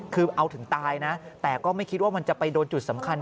คือเอาถึงตายนะแต่ก็ไม่คิดว่ามันจะไปโดนจุดสำคัญ